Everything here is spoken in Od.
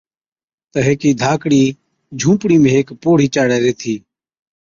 تہ هيڪِي ڌاڪڙِي جھُونپڙِي ۾ هيڪ پوڙهِي چاڙَي ريهٿِي۔